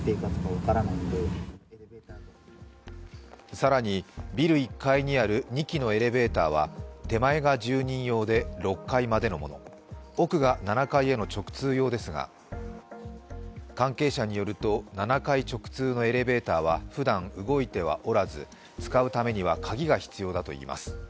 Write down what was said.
更にビル１階にある２基のエレベーターは手前が住人用で６階までのもの、奥が７階への直通用ですが関係者によると７階直通のエレベーターはふだんは動いておらず使うためには鍵が必要だといいます。